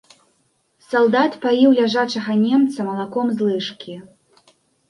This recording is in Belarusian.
Салдат паіў ляжачага немца малаком з лыжкі.